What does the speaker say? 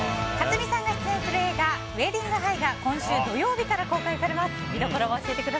克実さんが出演する映画「ウェディング・ハイ」が今週土曜日から公開されます。